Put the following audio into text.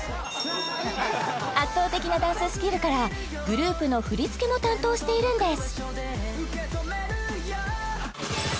圧倒的なダンススキルからグループの振り付けも担当しているんです